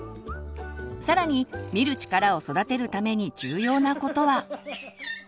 更に「見る力」を育てるために重要なことは。